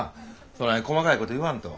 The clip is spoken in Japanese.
そない細かいこと言わんと。